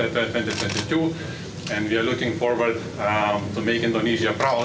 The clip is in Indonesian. dan kami menantikan untuk membuat indonesia bangga